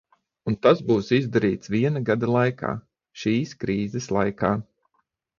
Un tas būs izdarīts viena gada laikā, šīs krīzes laikā!